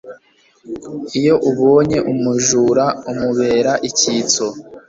iyo ubonye umujura, umubera icyitso